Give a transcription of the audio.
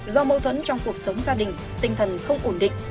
do mâu thuẫn trong cuộc sống gia đình tinh thần không ổn định